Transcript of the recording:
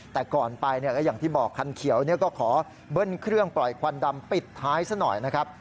แต่ก่อนไปก็อย่างที่บอกคันเขียวก็ขอเบิ้ลเครื่องปล่อยควันดำปิดท้ายซะหน่อยนะครับ